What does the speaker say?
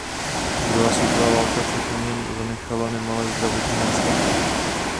Druhá světová válka však na něm zanechala nemalé zdravotní následky.